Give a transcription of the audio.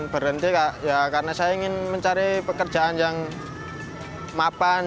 berhenti ya karena saya ingin mencari pekerjaan yang mapan